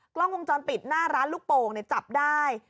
กล้องวงจรปิดหน้าร้านลูกโป่งจับได้